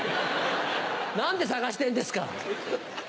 何で探してんですか？